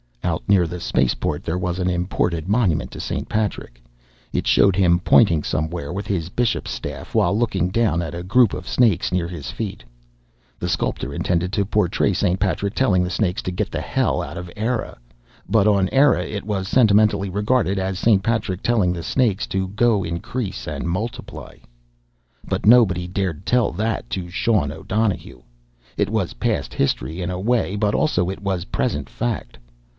Out near the spaceport there was an imported monument to St. Patrick. It showed him pointing somewhere with his bishop's staff, while looking down at a group of snakes near his feet. The sculptor intended to portray St. Patrick telling the snakes to get the hell out of Eire. But on Eire it was sentimentally regarded as St. Patrick telling the snakes to go increase and multiply. But nobody dared tell that to Sean O'Donohue! It was past history, in a way, but also it was present fact.